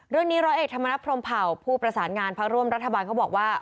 ร้อยเอกธรรมนัฐพรมเผ่าผู้ประสานงานพักร่วมรัฐบาลเขาบอกว่า